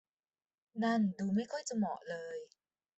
นั่นดูไม่ค่อยจะเหมาะเลย